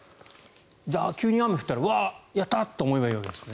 急に雨が降ったらわっ、やった！って思えばいいわけですね。